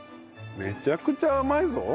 めちゃくちゃ甘いぞ。